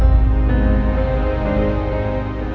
ini tante saya